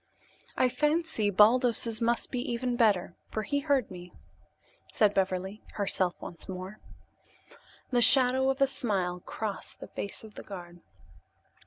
"I fancy Baldos's must be even better, for he heard me," said Beverly, herself once more. The shadow of a smile crossed the face of the guard.